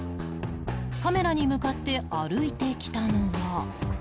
カメラに向かって歩いてきたのは